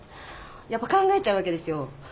やっぱ考えちゃうわけですよ。